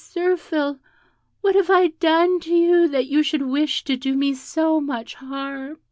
Zirphil, what have I done to you that you should wish to do me so much harm?"